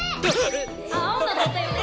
・青野だったよね！